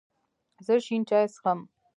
زه شین چای څښم